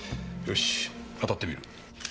よしあたってみる。